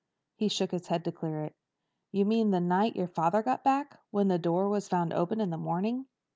He shook his head to clear it. "You mean the night your father got back? When the door was found open in the morning?